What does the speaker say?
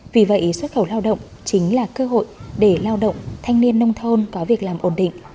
vì vậy xuất khẩu lao động chính là cơ hội để lao động thanh niên nông thôn có việc làm ổn định